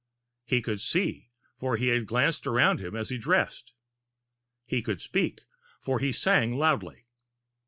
He could see, for he had glanced about him as he dressed. He could speak, for he sang loudly.